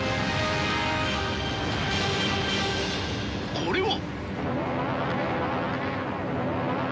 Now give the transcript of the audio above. これは。